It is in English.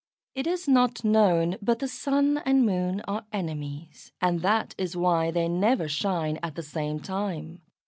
It is not known, but the Sun and Moon are enemies, and that is why they never shine at the same time.